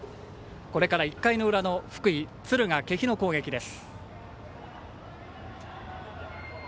これから１回の裏の福井・敦賀気比の攻撃です。